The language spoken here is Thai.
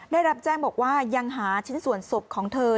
ได้รับแจ้งบอกว่ายังหาชิ้นส่วนศพของเธอ